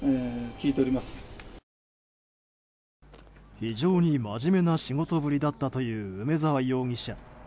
非常にまじめな仕事ぶりだったという梅沢容疑者。